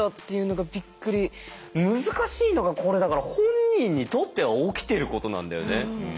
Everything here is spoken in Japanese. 難しいのがこれだから本人にとっては起きていることなんだよね。